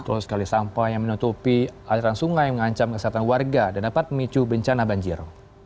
terus sekali sampah yang menutupi aliran sungai yang mengancam kesehatan warga dan dapat memicu bencana banjir